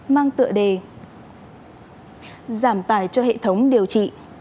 mang tựa đề giảm tài cho hệ thống điều trị